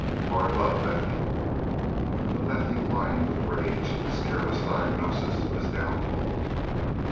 Hard luck, Lefty." But Lefty whined with rage at this careless diagnosis of his downfall.